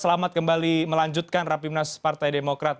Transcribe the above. selamat kembali melanjutkan rapi munas partai demokrat